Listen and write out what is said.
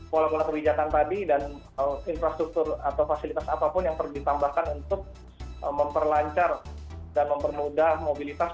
pola pola kebijakan tadi dan infrastruktur atau fasilitas apapun yang perlu ditambahkan untuk memperlancar dan mempermudah mobilitas